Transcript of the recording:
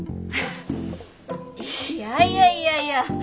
いやいやいやいや。